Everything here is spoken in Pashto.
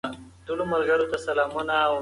ته باید له بې ځایه کثافاتو اچولو ډډه وکړې.